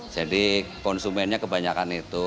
jadi konsumennya kebanyakan itu